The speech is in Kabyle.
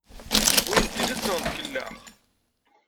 Wi n tidet neɣ n tkellax?